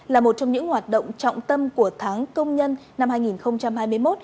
là một trong những hoạt động trọng tâm của tháng công nhân năm hai nghìn hai mươi một